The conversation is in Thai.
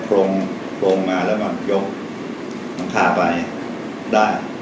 ราคานี่ถ้าพูด